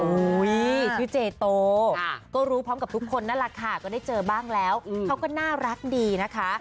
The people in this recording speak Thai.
ชื่อเจโตก็รู้พร้อมกับทุกคนนั่นแหละค่ะก็ได้เจอบ้างแล้วเขาก็น่ารักดีนะคะ